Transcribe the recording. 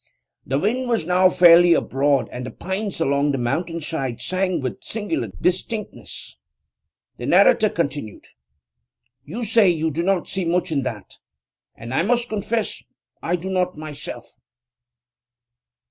The wind was now fairly abroad, and the pines along the mountainside sang with singular distinctness. The narrator continued: 'You say you do not see much in that, and I must confess I do not myself.